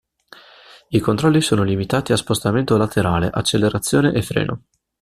I controlli sono limitati a spostamento laterale, accelerazione e freno.